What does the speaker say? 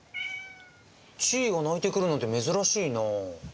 チーが鳴いてくるなんて珍しいな。